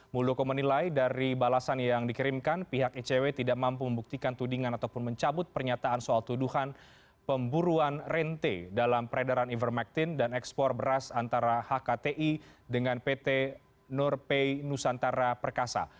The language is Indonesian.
muldoko menilai dari balasan yang dikirimkan pihak icw tidak mampu membuktikan tudingan ataupun mencabut pernyataan soal tuduhan pemburuan rente dalam peredaran ivermectin dan ekspor beras antara hkti dengan pt nurpay nusantara perkasa